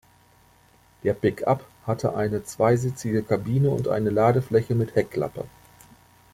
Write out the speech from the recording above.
Der „Pick-up“ hatte eine zweisitzige Kabine und eine Ladefläche mit Heckklappe.